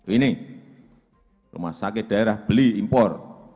ini rumah sakit daerah beli impor